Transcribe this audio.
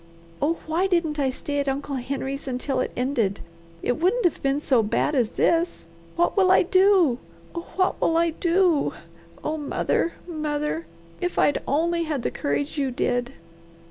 Oh why didn't I stay at Uncle Henry's until it ended? It wouldn't have been so bad as this. What will I do? Oh what will I do? Oh mother, mother! if I'd only had the courage you did."